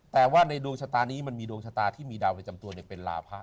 แต่ว่าในดวงศาตานี้มันมีดวงศาตาที่มีดาวในจำตัวเนี่ยเป็นราพะ